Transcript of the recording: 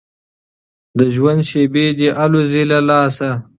د ژوندون شېبې دي الوزي له لاسه